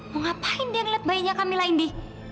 mau ngapain dia ngeliat bayinya kamila indi